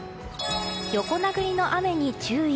横殴りの雨に注意。